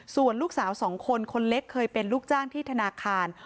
ส่วนลูกสาวสองคนคนเล็กเคยเป็นลูกจ้างที่ธนาคาร